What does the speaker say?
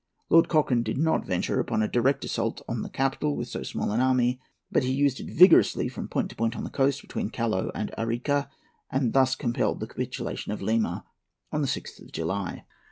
Lord Cochrane did not venture upon a direct assault on the capital with so small an army; but he used it vigorously from point to point on the coast, between Callao and Arica, and thus compelled the capitulation of Lima on the 6th of July.